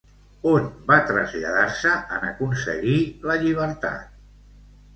On va traslladar-se en aconseguir la llibertat?